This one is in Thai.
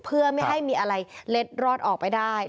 เพื่อไม่ให้มีอะไรเล็ดรอดออกไปได้